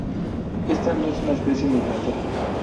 Esta no es una especie migratoria.